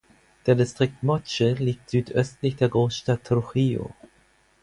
Der Distrikt Moche liegt südöstlich der Großstadt Trujillo.